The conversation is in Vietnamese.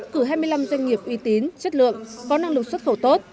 cử hai mươi năm doanh nghiệp uy tín chất lượng có năng lực xuất khẩu tốt